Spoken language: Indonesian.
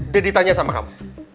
deddy tanya sama kamu